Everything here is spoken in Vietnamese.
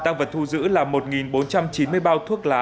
nữ là một bốn trăm chín mươi bao thuốc lá